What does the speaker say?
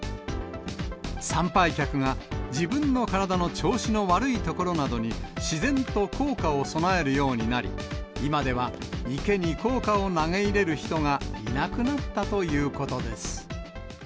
参拝客が、自分の体の調子の悪い所などに、自然と硬貨を供えるようになり、今では池に硬貨を投げ入れる人がいなくなったということです。